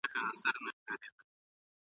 د طبيعي او ټولنيزو علومو ترمنځ ډېر توپير شته.